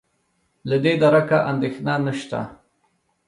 له دې درکه اندېښنه نشته.